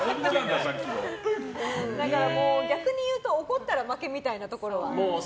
だから逆に言うと怒ったら負けみたいなところは。